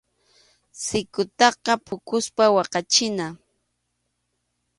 Sikutaqa phukuspa waqachina.